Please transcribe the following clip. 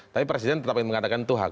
tapi presiden tetap ingin mengatakan itu hak